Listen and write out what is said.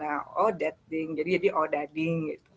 nah odading jadi jadi odading